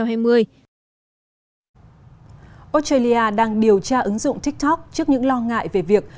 australia đang điều tra ứng dụng tiktok trước những lo ngại về việc